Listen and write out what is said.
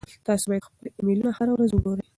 تاسو باید خپل ایمیلونه هره ورځ وګورئ.